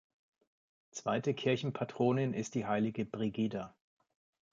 Zweite Kirchenpatronin ist die Heilige Brigida.